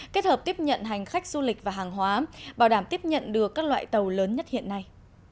kết hợp tiếp nhận hành khách du lịch và hàng hóa bảo đảm tiếp nhận được các loại tàu lớn nhất hiện nay